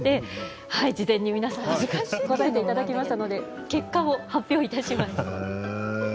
事前に皆さんに答えていただきましたので結果を発表いたします。